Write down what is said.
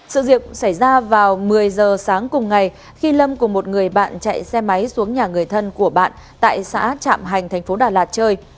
sự việc xảy ra vào một mươi giờ sáng cùng ngày khi lâm cùng một người bạn chạy xe máy xuống nhà người thân của bạn tại xã trạm hành thành phố đà lạt chơi